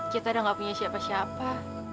kita udah gak punya siapa siapa